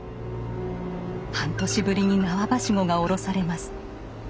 半年ぶりに縄梯子が下ろされます。